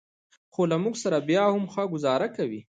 خو له موږ سره بیا هم ښه ګوزاره کوي.